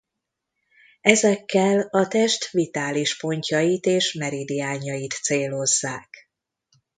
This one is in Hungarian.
Ezekkel a test vitális pontjait és meridiánjait célozzák.